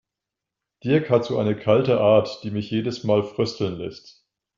Dirk hat so eine kalte Art, die mich jedes Mal frösteln lässt.